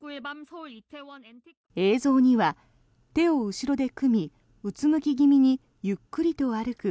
映像には手を後ろで組みうつむき気味にゆっくりと歩く